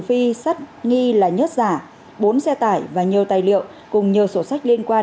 phi sắt nghi là nhất giả bốn xe tải và nhiều tài liệu cùng nhiều sổ sách liên quan